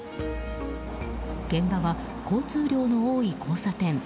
現場は交通量の多い交差点。